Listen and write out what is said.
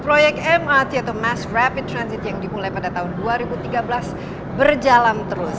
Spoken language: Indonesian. proyek mrt atau mass rapid transit yang dimulai pada tahun dua ribu tiga belas berjalan terus